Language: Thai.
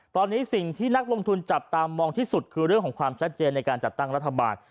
ตอนนี้สิ่งที่นักลงทุนจับตามองที่สุดคือเรื่องของความชัดเจนในการจัดตั้งรัฐบาล